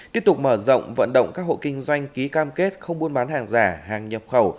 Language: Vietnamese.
tiếp tục mở rộng vận động các hộ kinh doanh ký cam kết không buôn bán hàng giả hàng nhập khẩu